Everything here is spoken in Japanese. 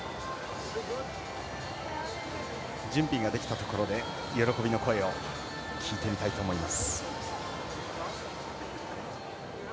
準備ができたところで喜びの声を聞いてみたいと思います。